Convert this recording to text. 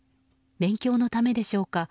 勉強のためでしょうか